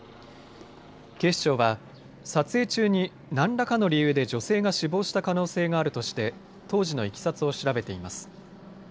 警視庁は撮影中に何らかの理由で女性が死亡した可能性があるとして当時のいきさつを調べています。